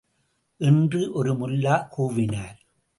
என்று ஒரு முல்லா கூவினார்.